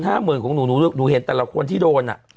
เห็นแต่ละคนที่โดน